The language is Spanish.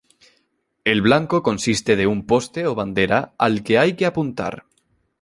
El blanco consiste de un poste o bandera al que hay que apuntar.